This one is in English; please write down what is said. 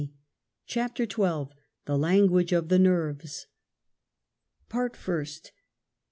CHAPTER XIL The Language of the Nerves. Part First.